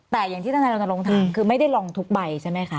แต่อย่างที่ท่านไทยเราต้องลงทางคือไม่ได้ลองทุกใบใช่ไหมคะ